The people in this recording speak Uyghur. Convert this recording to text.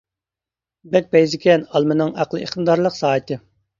بەك پەيزىكەن ئالمىنىڭ ئەقلى ئىقتىدارلىق سائىتى.